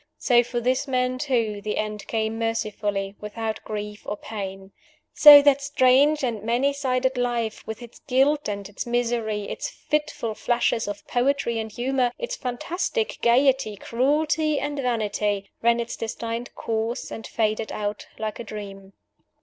So for this man too the end came mercifully, without grief or pain! So that strange and many sided life with its guilt and its misery, its fitful flashes of poetry and humor, its fantastic gayety, cruelty, and vanity ran its destined course, and faded out like a dream!